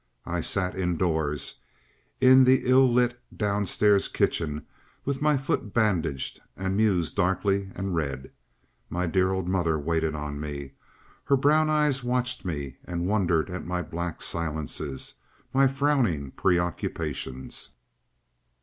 I sat indoors in the ill lit downstairs kitchen, with my foot bandaged, and mused darkly and read. My dear old mother waited on me, and her brown eyes watched me and wondered at my black silences, my frowning preoccupations.